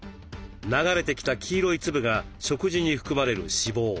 流れてきた黄色い粒が食事に含まれる脂肪。